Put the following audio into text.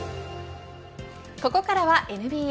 ここからはＮＢＡ。